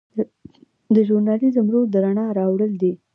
د ژورنالیزم رول د رڼا راوړل دي.